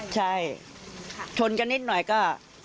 ใช่ชนกันนิดหน่อยก็